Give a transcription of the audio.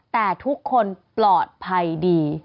แต่ทุกคนปลอดภัยดี